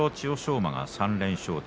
馬が３連勝中。